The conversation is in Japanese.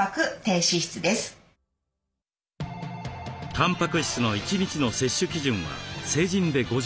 たんぱく質の一日の摂取基準は成人で５０６５グラム。